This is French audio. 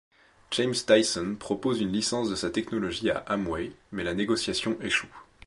James Dyson propose une licence de sa technologie à Amway, mais la négociation échoue.